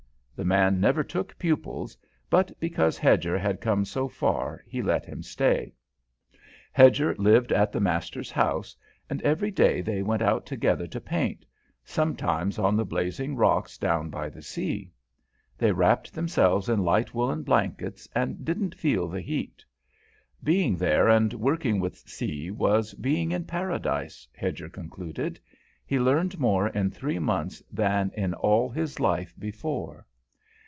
The man never took pupils, but because Hedger had come so far, he let him stay. Hedger lived at the master's house and every day they went out together to paint, sometimes on the blazing rocks down by the sea. They wrapped themselves in light woollen blankets and didn't feel the heat. Being there and working with C was being in Paradise, Hedger concluded; he learned more in three months than in all his life before.